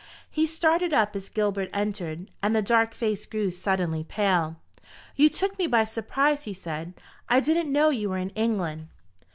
He started up as Gilbert entered, and the dark face grew suddenly pale. "You took me by surprise," he said. "I didn't know you were in England."